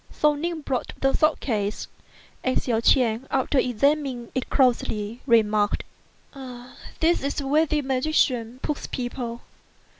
So Ning brought the sword case, and Hsiao ch'ien, after examining it closely, remarked, "This is where the magician puts people.